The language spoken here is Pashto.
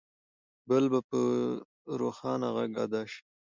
بل به په روښانه غږ ادا شي.